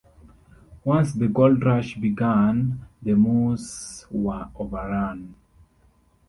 Once the gold rush began, the Moores were overrun.